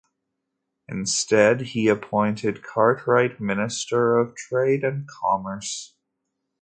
Instead, he appointed Cartwright Minister of Trade and Commerce.